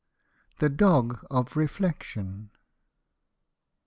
THE DOG OF REFLECTION.